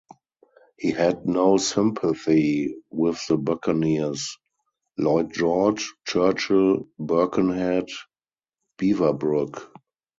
He had no sympathy with the buccaneers - Lloyd George, Churchill, Birkenhead, Beaverbrook.